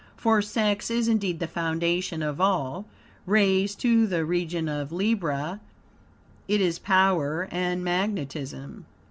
For sex is indeed the foundation of all. Raised to the region of Libra, it is power and magnetism.